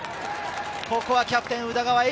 ここはキャプテン・宇田川瑛